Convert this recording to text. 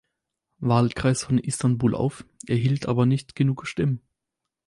Wahlkreis von Istanbul auf, erhielt aber nicht genug Stimmen.